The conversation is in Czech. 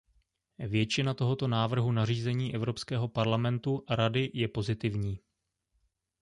Většina tohoto návrhu nařízení Evropského parlamentu a Rady je pozitivní.